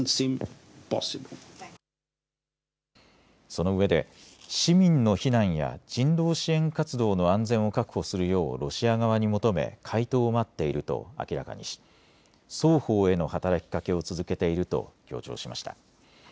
そのうえで市民の避難や人道支援活動の安全を確保するようロシア側に求め回答を待っていると明らかにし双方への働きかけを続けていると、強調しました。